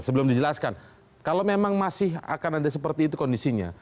sebelum dijelaskan kalau memang masih akan ada seperti itu kondisinya